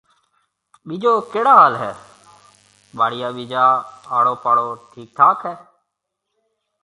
ٻِيجو ڪهڙا حال هيَ؟ ٻاݪيا ٻِيجا آڙو پاڙو ٺِيڪ ٺاڪ هيَ۔